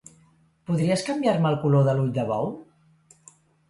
Podries canviar-me el color de l'ull de bou?